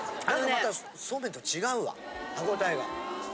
またそうめんと違うわ歯応えが。